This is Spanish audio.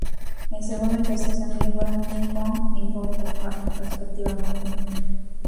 El segundo y tercer sencillo fueron "King Kong" y "Go Too Far" respectivamente.